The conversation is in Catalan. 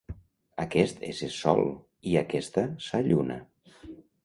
Aquest és es Sol i aquesta sa lluna